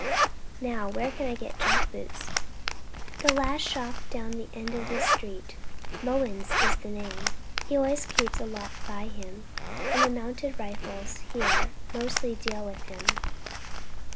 Now where can I get jack boots?" "The last shop down the end of this street. Moens is the name. He always keeps a lot by him, and the Mounted Rifles here mostly deal with him."